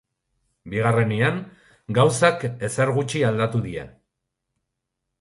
Bigarrenean, gauzak ezer gutxi aldatu dira.